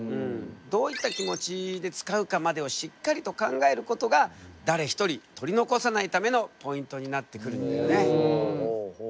どういった気持ちで使うかまでをしっかりと考えることが誰ひとり取り残さないためのポイントになってくるんだよね。